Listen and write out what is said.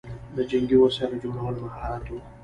د جنګي وسایلو جوړول مهارت و